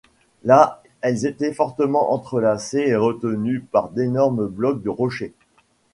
Là, elles étaient fortement entrelacées et retenues par d'énormes blocs de rochers.